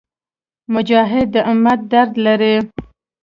مجاهد د امت درد لري.